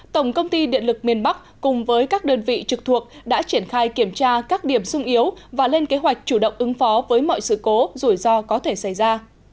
tổng công ty điện lực miền bắc cùng với các đơn vị trực thuộc đã triển khai kiểm tra các điểm sung yếu và lên kế hoạch chủ động ứng phó với mọi sự cố rủi ro có thể xảy ra